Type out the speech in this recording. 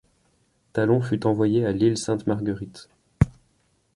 Talon fut envoyé à l'île Sainte-Marguerite.